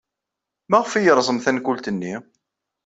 Maɣef ay yerẓem tankult-nni?